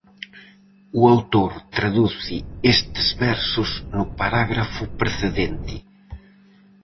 O autor traduce estes versos no parágrafo precedente.